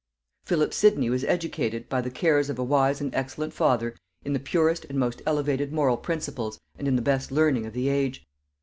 Philip Sidney was educated, by the cares of a wise and excellent father, in the purest and most elevated moral principles and in the best learning of the age.